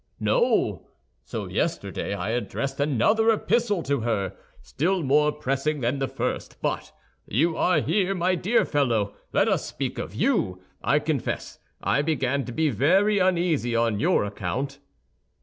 "No; so I yesterday addressed another epistle to her, still more pressing than the first. But you are here, my dear fellow, let us speak of you. I confess I began to be very uneasy on your account."